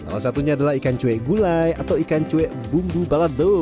salah satunya adalah ikan cuek gulai atau ikan cuek bumbu balado